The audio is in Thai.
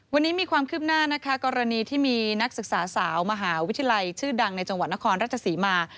วันนี้มีความคืบหน้านะคะกรณีที่มีนักศึกษาสาวมหาวิทยาลัยชื่อดังในจังหวัดนครราชศรีมา